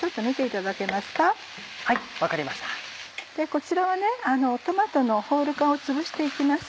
こちらはトマトのホール缶をつぶして行きます。